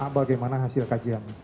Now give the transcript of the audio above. bagaimana hasil kajian